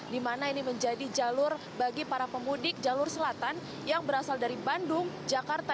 di mana ini menjadi jalur bagi para pemudik jalur selatan yang berasal dari bandung jakarta